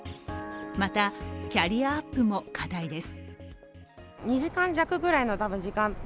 またキャリアアップも課題です。